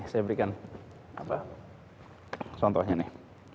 saya berikan contohnya nih